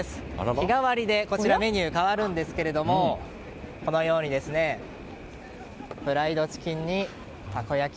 日替わりでメニュー、変わるんですがフライドチキンにたこ焼き